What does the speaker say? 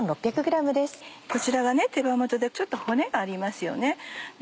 こちらが手羽元でちょっと骨がありますよね。